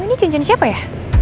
ini cincin siapa ya